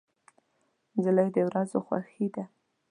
نجلۍ د ورځو خوښي ده.